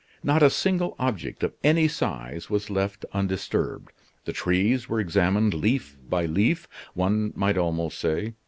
Not a single object of any size was left undisturbed. The trees were examined leaf by leaf, one might almost say.